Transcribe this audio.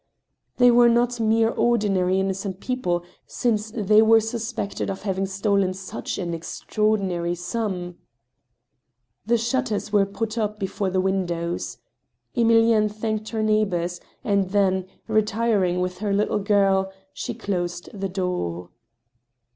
They were not mere ordinary innocent people, since they were suspected of having stolen such an extraordinary sum ! The shutters were put up before the windows. Emilienne thanked her neighbors, and then, retiring with her little girl, she closed the door.